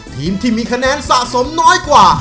ทีมที่มีคะแนนสะสมน้อยกว่า